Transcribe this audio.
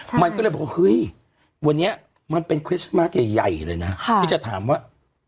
ใช่มันก็เลยบอกเฮ้ยวันนี้มันเป็นใหญ่ใหญ่เลยน่ะค่ะที่จะถามว่า